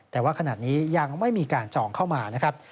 แต่ว่าขณะนี้ยังไม่มีการจองเข้ามานะครับ